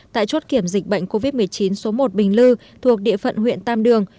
tại chốt kiểm dịch bệnh covid một mươi chín số một bình lư thuộc địa phận huyện tam đường